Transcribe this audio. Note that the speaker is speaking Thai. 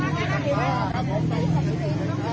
เมื่อเวลาอันดับอันดับอันดับอันดับ